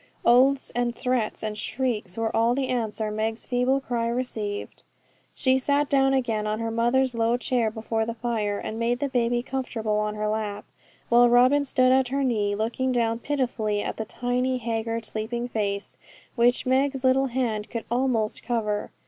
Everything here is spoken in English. Oaths and threats and shrieks were all the answer Meg's feeble cry received. She sat down again on her mother's low chair before the fire, and made the baby comfortable on her lap; while Robin stood at her knee, looking down pitifully at the tiny, haggard, sleeping face, which Meg's little hand could almost cover.